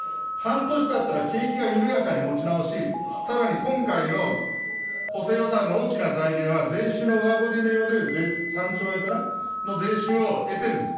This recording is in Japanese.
半年たったら景気は緩やかに持ち直し、さらに今回の補正予算の大きな財源は税収の上振れによる３兆円かな、の税収を得てるんです。